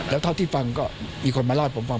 แล้วเท่าที่ฟังก็มีคนมาเล่าให้ผมฟัง